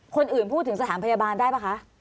คนอื่นพูดถึงสถานพยาบาลได้ป่ะคะ